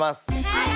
はい！